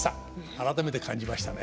改めて感じましたね。